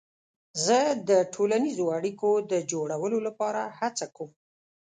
زه د ټولنیزو اړیکو د جوړولو لپاره هڅه کوم.